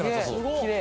きれい。